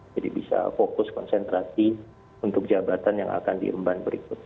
jadi bisa fokus konsentrasi untuk jabatan yang akan diemban berikutnya